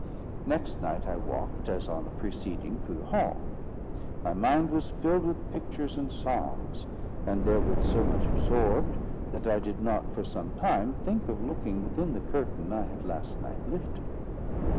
Next night I walked, as on the preceding, through the hall. My mind was filled with pictures and songs, and therewith so much absorbed, that I did not for some time think of looking within the curtain I had last night lifted.